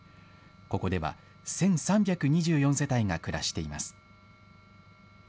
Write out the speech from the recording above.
ここでは１３２４世帯が暮らしています。